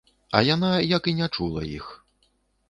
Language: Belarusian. А яна як і не чула іх.